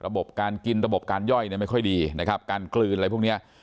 การกินระบบการย่อยไม่ค่อยดีนะครับการกลืนอะไรพวกเนี้ย